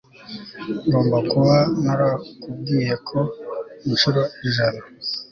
Ngomba kuba narakubwiye ko inshuro ijana